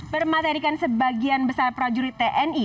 bermaterikan sebagian besar prajurit tni